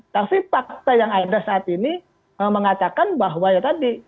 tapi fakta yang ada saat ini mengatakan bahwa ya tadi